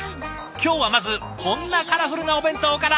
今日はまずこんなカラフルなお弁当から。